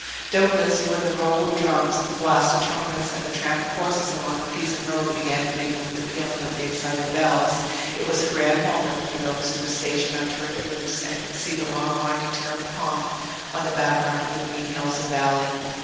Doubtless when the roll of drums, the blast of trumpets, and the tramp of horses along the Pisan road began to mingle with the pealing of the excited bells, it was a grand moment for those who were stationed on turreted roofs, and could see the long winding terrible pomp on the background of the green hills and valley.